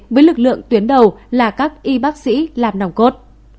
với lực lượng tuyến đầu là các y bác sĩ làm nòng cốt